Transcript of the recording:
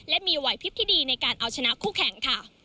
และมีวัยพิพย์ที่ดีในการเอาชนะคู่แข่ง